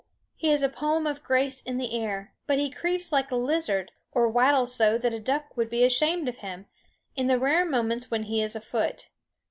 He is a poem of grace in the air; but he creeps like a lizard, or waddles so that a duck would be ashamed of him, in the rare moments when he is afoot.